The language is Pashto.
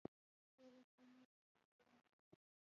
ټوله سیمه تر کنټرول لاندې شوه.